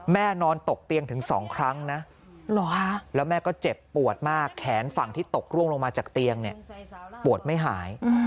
นอนตกเตียงถึง๒ครั้งนะแล้วแม่ก็เจ็บปวดมากแขนฝั่งที่ตกร่วงลงมาจากเตียงเนี่ยปวดไม่หาย